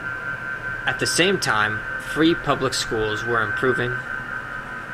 At the same time, free public schools were improving.